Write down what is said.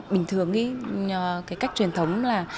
bình thường ý cái cách truyền thống là